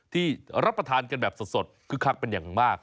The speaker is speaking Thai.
ที่รับประทานกันแบบสดคึกคักเป็นอย่างมาก